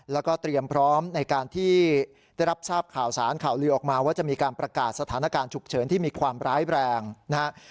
แล้วก็เตรียมพร้อมในการที่ได้รับทราบข่าวสารข่าวลือออกมาว่าจะมีการประกาศสถานการณ์ฉุกเฉินที่มีความร้ายแรงนะครับ